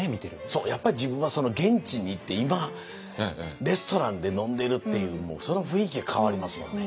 そうやっぱり自分はその現地に行って今レストランで飲んでるっていうその雰囲気で変わりますもんね。